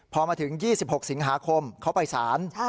พอมาถึง๒๖สิงหาคมเขาไปสาร